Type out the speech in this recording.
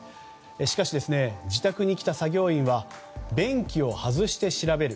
しかし、自宅に来た作業員は便器を外して調べる。